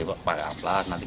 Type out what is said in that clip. air panas ini sangat berbentuk